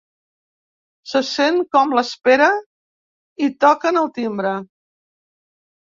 Se sent com l’espera i toquen el timbre.